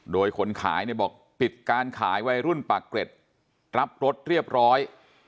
โดยคนขายเนี่ยบอกปิดการขายวัยรุ่นปากเกร็ดรับรถเรียบร้อย